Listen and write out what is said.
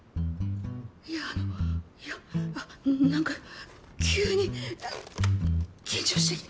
いやあのなんか急に緊張してきた。